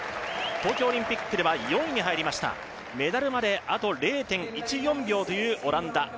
東京オリンピックでは４位に入りました、メダルまであと０．１４秒というオランダ。